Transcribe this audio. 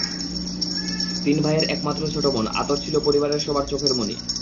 তিন ভাইয়ের একমাত্র ছোট বোন আতর ছিল পরিবারের সবার চোখের মণি।